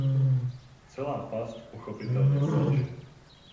Celá past pochopitelně selže.